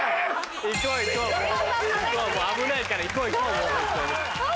危ないから行こう行こう。